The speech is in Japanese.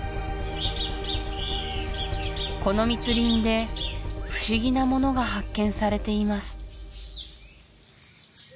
この密林で不思議なものが発見されています